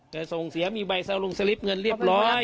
แต่ส่งเสียมีใบเซาลงสลิปเงินเรียบร้อย